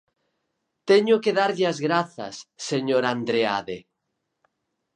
Teño que darlle as grazas, señor Andreade.